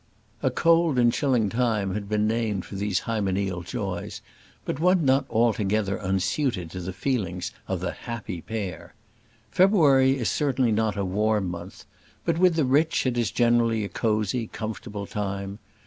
A cold and chilling time had been named for these hymeneal joys, but one not altogether unsuited to the feelings of the happy pair. February is certainly not a warm month; but with the rich it is generally a cosy, comfortable time.